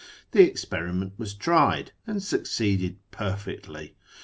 The experiment was tried, and succeeded ])er fectly.